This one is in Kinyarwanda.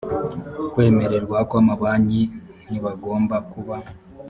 kwemererwa kw amabanki ntibagomba kuba